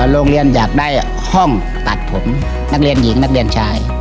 โรงเรียนอยากได้ห้องตัดผมนักเรียนหญิงนักเรียนชาย